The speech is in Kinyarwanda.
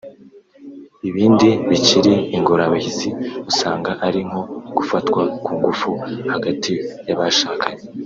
Ibindi bikiri ingorabahizi usanga ari nko gufatwa ku ngufu hagati y’abashakanye